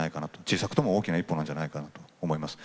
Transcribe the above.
小さくとも大きな一歩なんじゃないかなと思います。